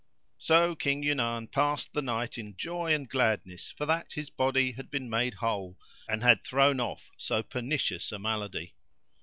So King Yunan passed the night in joy and gladness for that his body had been made whole and had thrown off so pernicious a malady.